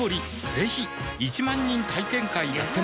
ぜひ１万人体験会やってます